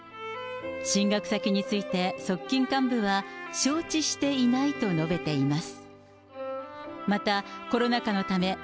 進学先について、側近幹部は、承知していないと述べています。